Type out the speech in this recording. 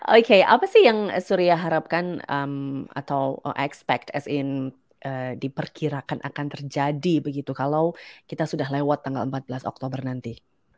oke apa sih yang surya harapkan atau expect as in diperkirakan akan terjadi begitu kalau kita sudah lewat tanggal empat belas oktober nanti